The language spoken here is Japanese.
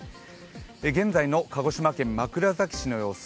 現在の鹿児島県枕崎市の様子。